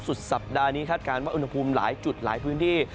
สุดสัปดาห์นี้คาดการณ์ว่าอุณหภูมิหลายจุดหลายพื้นที่